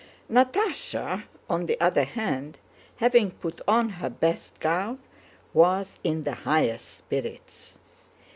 Natásha, on the other hand, having put on her best gown, was in the highest spirits.